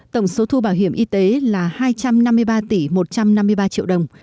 tổng số thu bảo hiểm y tế là hai trăm năm mươi ba tỷ một trăm năm mươi ba triệu đồng